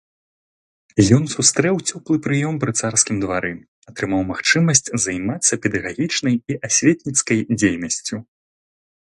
Ён сустрэў цёплы прыём пры царскім двары, атрымаў магчымасць займацца педагагічнай і асветніцкай дзейнасцю.